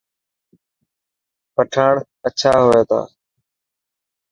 پٺاڻ اڇا هوئي تا.